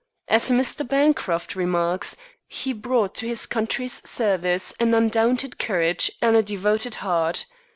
As Mr. Bancroft remarks, he brought to his country's service an undaunted courage and a devoted heart.